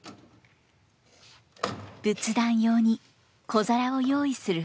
仏壇用に小皿を用意する母。